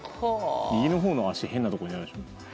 右のほうの足が変なところにあるでしょ。